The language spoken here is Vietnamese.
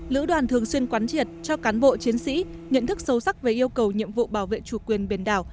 lữ đoàn thường xuyên quán triệt cho cán bộ chiến sĩ nhận thức sâu sắc về yêu cầu nhiệm vụ bảo vệ chủ quyền biển đảo